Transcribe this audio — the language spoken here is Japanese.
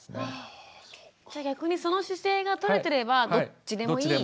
逆にその姿勢がとれてればどっちでもいい？